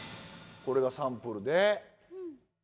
「これがサンプルで」